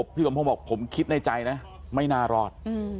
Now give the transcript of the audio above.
พี่สมพงศ์บอกผมคิดในใจนะไม่น่ารอด